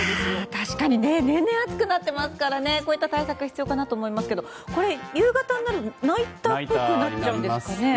確かに年々暑くなってますからこういった対策必要かなと思いますけどこれ夕方になるとナイターっぽくなっちゃいますよね。